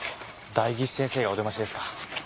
代議士先生がお出ましですか。